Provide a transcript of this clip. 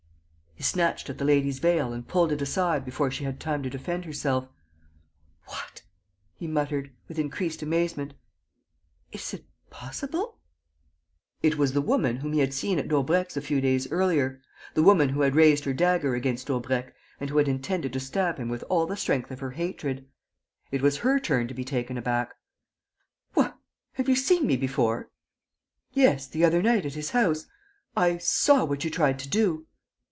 He snatched at the lady's veil and pulled it aside before she had time to defend herself: "What!" he muttered, with increased amazement. "Is it possible?" It was the woman whom he had seen at Daubrecq's a few days earlier, the woman who had raised her dagger against Daubrecq and who had intended to stab him with all the strength of her hatred. It was her turn to be taken aback: "What! Have you seen me before?..." "Yes, the other night, at his house.... I saw what you tried to do...."